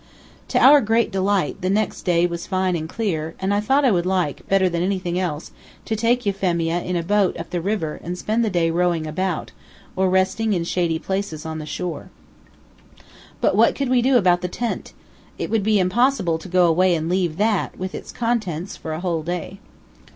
To our great delight, the next day was fine and clear, and I thought I would like, better than anything else, to take Euphemia in a boat up the river and spend the day rowing about, or resting in shady places on the shore. But what could we do about the tent? It would be impossible to go away and leave that, with its contents, for a whole day.